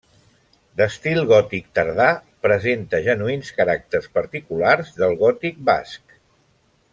D'estil gòtic tardà, presenta genuïns caràcters particulars del gòtic basc.